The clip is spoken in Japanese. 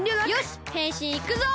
へんしんいくぞ！